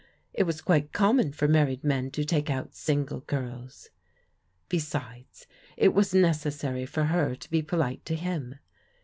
It was quite common for married men to take out single girls. Besides, it was necessary for her to be polite to him.